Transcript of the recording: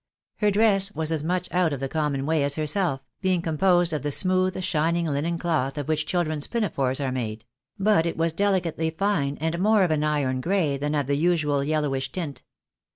Her dress was^ ^is much out of the common way AFTEE DirrNER OCCUPATIONS. 41 as herself, being composed of the smooth shining linen cloth of ■which children's pinbefores are made ; but it was delicately fine, and more of an iron gray, than of the usual yellowish tint.